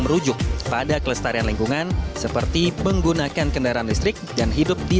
merujuk pada kelestarian lingkungan seperti menggunakan kendaraan listrik dan hidup di